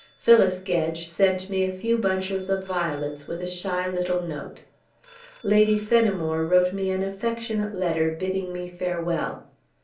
Phyllis Gedge sent me a few bunches of violets with a shy little note. Lady Fenimore wrote me an affectionate letter bidding me farewell.